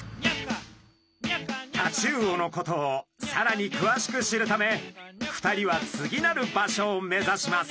タチウオのことをさらにくわしく知るため２人は次なる場所を目指します。